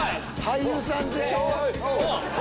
俳優さんでしょ？